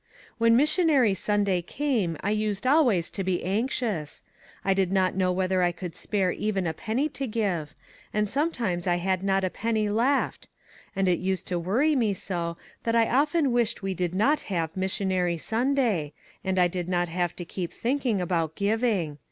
When missionary Sunday came, I used always to be anxious. I did not know whether I could spare even a penny to give, and sometimes I had not a penny left; and it used to worry me so that I often wished we did not have missionary Sunday, and I did not have to keep thinking about giving.